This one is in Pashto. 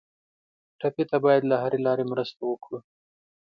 ټپي ته باید له هرې لارې مرسته وکړو.